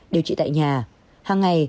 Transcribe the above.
điều trị tại nhà hàng ngày